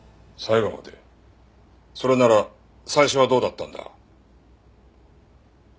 それなら最初はどうだったんだ？